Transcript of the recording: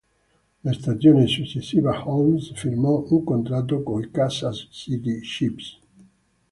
La stagione successiva Holmes firmò un contratto coi Kansas City Chiefs.